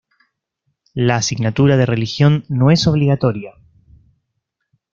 La asignatura de religión no es obligatoria.